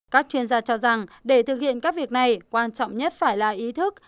các chuyên gia cho rằng để thực hiện các việc này quan trọng nhất phải là ý thức